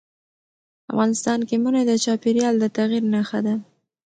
افغانستان کې منی د چاپېریال د تغیر نښه ده.